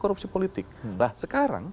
korupsi politik nah sekarang